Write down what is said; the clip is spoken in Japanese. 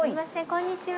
こんにちは。